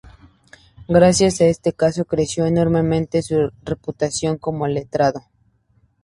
Gracias a este caso creció enormemente su reputación como letrado.